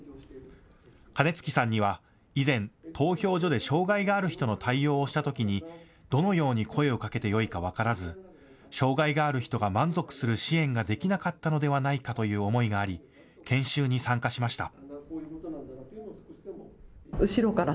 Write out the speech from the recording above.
金築さんには以前、投票所で障害がある人の対応をしたときにどのように声をかけてよいか分からず、障害がある人が満足する支援ができなかったのではないかという思いがあり研修に参加しました。